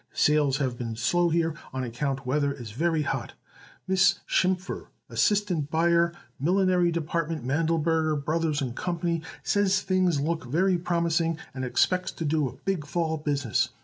Sales have been slow here on a/c weather is very hot. Miss Schimpfer asst buyer millinary dept Mandleberger Bros & Co says things look very promising and expects to do a big fall business.